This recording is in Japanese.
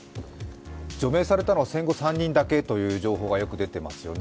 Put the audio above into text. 除名されたのは戦後３人だけという情報がよく出ていますよね。